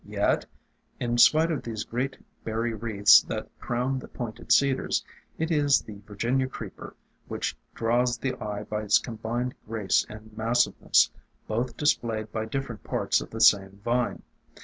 Yet, in spite of these great berry wreaths that crown the pointed Cedars, it is the Virginia Creeper which draws the eye by its combined grace and mas siveness, both displayed by different parts of the same vine.